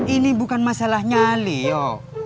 ini bukan masalah nyali yo